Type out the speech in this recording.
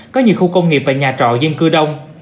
có nhiều khu công nghiệp và nhà trọ dân cư đông